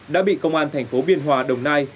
đã bị công an thành phố biên hòa đồng nai